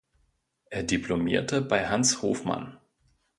Er diplomierte bei Hans Hofmann.